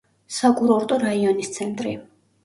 საკურორტო რაიონის ცენტრი.